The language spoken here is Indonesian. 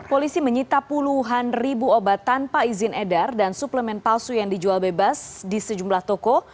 polisi menyita puluhan ribu obat tanpa izin edar dan suplemen palsu yang dijual bebas di sejumlah toko